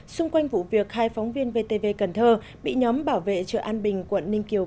xung quanh vụ việc hai phóng viên vtv cần thơ bị nhóm bảo vệ chợ an bình quận ninh kiều